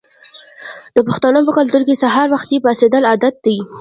د پښتنو په کلتور کې سهار وختي پاڅیدل عادت دی.